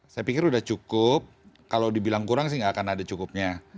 saya pikir sudah cukup kalau dibilang kurang sih nggak akan ada cukupnya